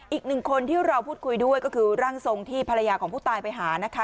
อีกหนึ่งคนที่เราพูดคุยด้วยก็คือร่างทรงที่ภรรยาของผู้ตายไปหานะคะ